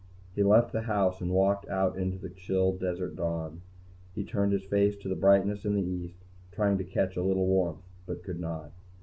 He left the house and walked out into the chill desert dawn. He turned his face to the brightness in the east, trying to catch a little warmth, but could not.